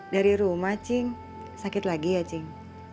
dari rumah cing sakit lagi ya cing